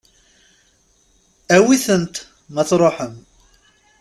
Awit-tent ma tṛuḥem.